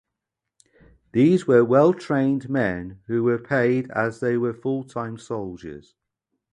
These were well trained men who were paid as they were full-time soldiers.